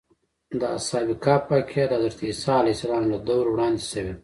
د اصحاب کهف واقعه د حضرت عیسی له دور وړاندې شوې ده.